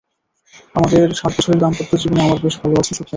আমাদের সাত বছরের দাম্পত্য জীবনে আমরা বেশ ভালো আছি, সুখে আছি।